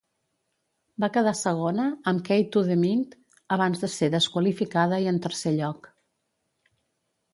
Va quedar segona amb Key to the Mint abans de ser desqualificada i en tercer lloc.